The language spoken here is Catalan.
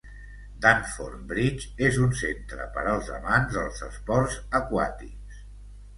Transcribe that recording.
Dunford Bridge és un centre per als amants dels esports aquàtics.